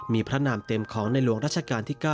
มีพระนามเต็มของในหลวงรัชกาลที่๙